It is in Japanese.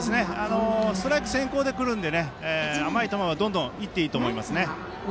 ストライク先行で来るので甘い球はどんどん打っていいと思います。